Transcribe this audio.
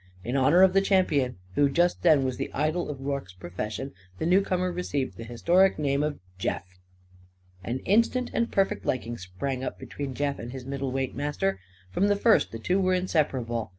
In honour of the champion who just then was the idol of Rorke's profession, the newcomer received the historic name of "Jeff." An instant and perfect liking sprang up between Jeff and his middleweight master. From the first the two were inseparable.